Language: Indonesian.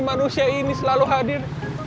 manusia ini selalu hadir